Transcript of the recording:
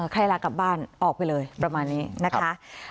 ใครลากลับบ้านออกไปเลยประมาณนี้นะคะ